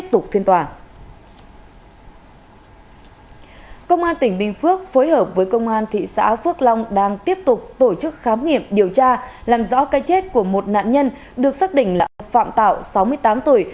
phước long đang tiếp tục tổ chức khám nghiệm điều tra làm rõ cây chết của một nạn nhân được xác định là phạm tạo sáu mươi tám tuổi